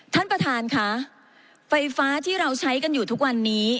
ท่านประธานค่ะไฟฟ้าที่เราใช้กันอยู่ทุกวันนี้